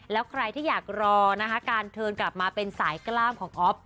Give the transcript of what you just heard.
แล้วใครที่อยากรอนะคะการเทินกลับมาเป็นสายกล้ามของอ๊อฟ